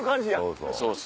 そうそう。